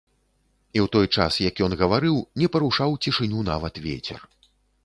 І ў той час, як ён гаварыў, не парушаў цішыню нават вецер.